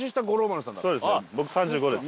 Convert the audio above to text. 僕３５です。